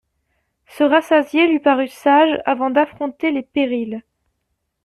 Se rassasier lui parut sage avant d'affronter les périls.